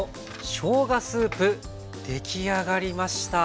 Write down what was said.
出来上がりました。